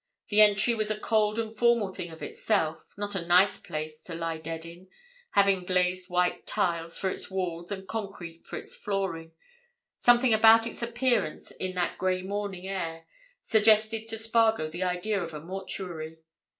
The entry was a cold and formal thing of itself; not a nice place to lie dead in, having glazed white tiles for its walls and concrete for its flooring; something about its appearance in that grey morning air suggested to Spargo the idea of a mortuary.